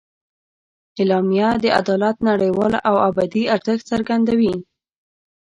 اعلامیه د عدالت نړیوال او ابدي ارزښت څرګندوي.